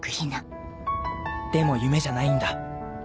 でも夢じゃないんだ